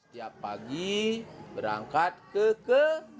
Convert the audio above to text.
setiap pagi berangkat ke ke